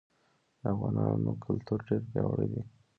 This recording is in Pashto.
د افغانانو کلتور ډير پیاوړی دی.